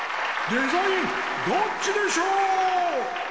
「デザインどっちでショー」！